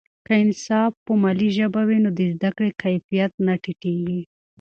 که نصاب په ملي ژبه وي، د زده کړې کیفیت نه ټیټېږي.